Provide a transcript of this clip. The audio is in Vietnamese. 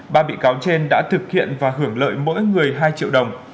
ba bị cáo trên đã thực hiện và hưởng lợi mỗi người hai triệu đồng